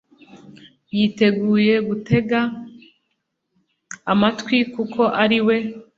yiteguye kugutega amatwi kuko ari we